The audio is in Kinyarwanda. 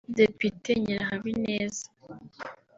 Depite Nyirahabineza